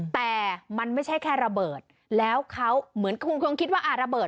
แต่มันไม่ใช่แค่ระเบิดแล้วเขาเหมือนคงคิดว่าระเบิด